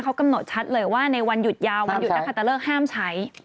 เขากำหนดชัดเลยว่าในวันหยุดยาววันหยุดนะคะตะเลิกห้ามใช้